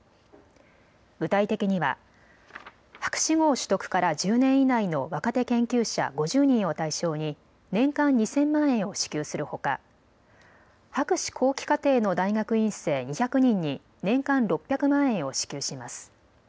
具体的には博士号取得から１０年以内の若手研究者５０人を対象に年間２０００万円を支給するほか博士後期課程の大学院生２００人に年間６００万円を支給します。